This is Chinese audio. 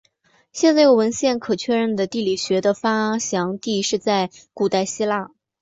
现在有文献可确认的地理学的发祥地是在古代希腊。